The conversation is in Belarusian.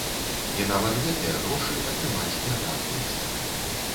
І нават гэтыя грошы атрымаць не так проста.